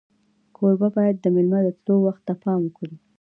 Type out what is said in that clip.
کوربه باید د میلمه د تلو وخت ته پام وکړي.